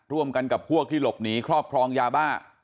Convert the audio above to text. ร่วมกันกับพวกที่หลบหนีครอบครองยาบ้า